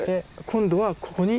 今度はここに？